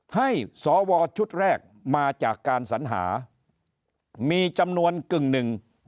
ให้สวชุดแรกมาจากการสัญหามีจำนวนกึ่งหนึ่งของสภาพหนึ่ง